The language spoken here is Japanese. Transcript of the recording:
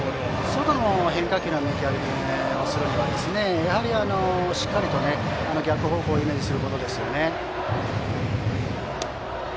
外の変化球の見極めをするにはしっかりと逆方向をイメージすることですね。